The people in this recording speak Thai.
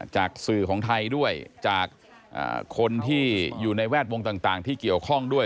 จากสื่อของไทยด้วยจากคนที่อยู่ในแวดวงต่างที่เกี่ยวข้องด้วย